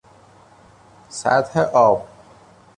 سطح آب